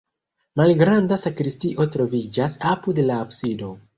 Malgranda sakristio troviĝas apud la absido.